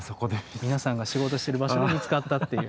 皆さんが仕事してる場所で見つかったっていう。